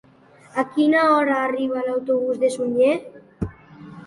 A quina hora arriba l'autobús de Sunyer?